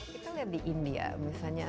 kita lihat di india misalnya